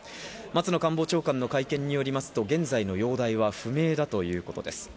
松野官房長官の会見によりますと、現在の容体は不明だということです。